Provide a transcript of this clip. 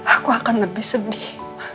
aku akan lebih sedih